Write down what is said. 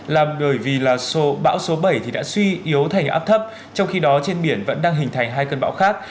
làm bởi vì là bão số bảy thì đã suy yếu thành áp thấp trong khi đó trên biển vẫn đang hình thành hai cơn bão khác